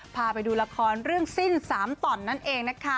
พาไปดูละครเรื่องสิ้นสามต่อนนั่นเองนะคะ